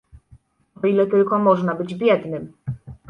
"„O ile tylko można być biednym."